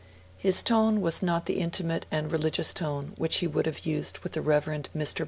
His tone was not the intimate and religious tone which he would have used with the Rev. Mr.